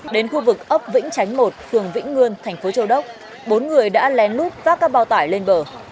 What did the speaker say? đến khu vực ốc vĩnh tránh một phường vĩnh ngươn thành phố châu đốc bốn người đã lén núp vác các bao tải lên bờ